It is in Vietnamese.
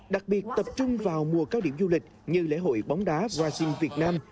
đặc biệt tập trung vào mùa cao điểm du lịch như lễ hội bóng đá washing việt nam